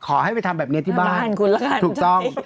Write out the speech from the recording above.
ขอให้ไปทำแบบนี้ที่บ้านถูกต้อง